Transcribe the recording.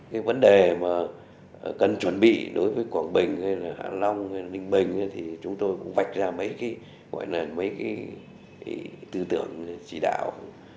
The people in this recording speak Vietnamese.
cái vấn đề mà cần chuẩn bị đối với quảng bình hay là hạ long hay ninh bình thì chúng tôi cũng vạch ra mấy cái gọi là mấy cái tư tưởng chỉ đạo